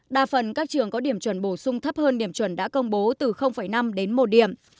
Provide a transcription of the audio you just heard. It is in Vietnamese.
đa phần các trường có điểm chuẩn bổ sung thấp hơn điểm chuẩn đã công bố từ năm đến một điểm